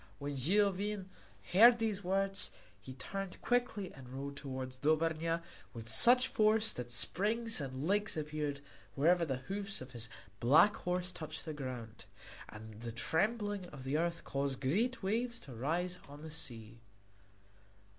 When Zidovin heard these words he turned quickly and rode toward Dobrnja with such force that springs and lakes appeared wherever the hoofs of his black horse touched the ground. And the trembling of the earth caused great waves to rise on the sea.